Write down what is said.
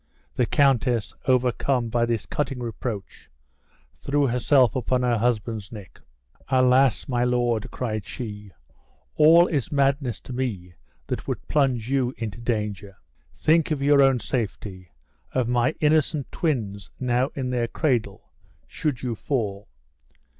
The countess, overcome by this cutting reproach, threw herself upon her husband's neck. "Alas! my lord," cried she, "all is madness to me that would plunge you into danger. Think of your own safety; of my innocent twins now in their cradle, should you fall.